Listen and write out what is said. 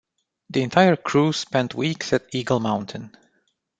The entire crew spent weeks at Eagle Mountain.